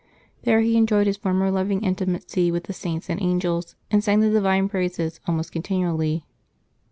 There he enjoyed his former loving intimacy with the saints and angels, and sang the Divine praises almost continually.